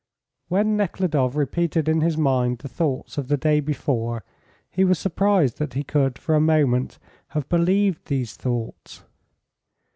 When Nekhludoff repeated in his mind the thoughts of the day before, he was surprised that he could for a moment have believed these thoughts.